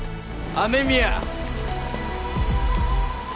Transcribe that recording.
雨宮！